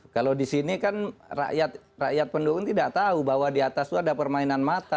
kalau di sini kan rakyat pendukung tidak tahu bahwa di atas itu ada permainan mata